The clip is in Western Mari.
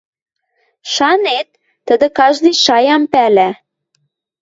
Шанет, тӹдӹ каждый шаям пӓлӓ